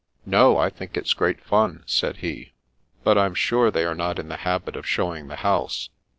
" No, I think it's great fun," said he. " But I'm sure they are not in the habit of show ing the house.